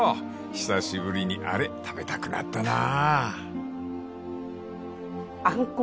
［久しぶりにあれ食べたくなったなあ］